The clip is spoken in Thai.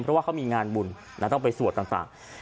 เพราะว่าเขามีงานบุญต้องไปสวดต่าง